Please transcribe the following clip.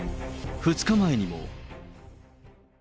２日前にも。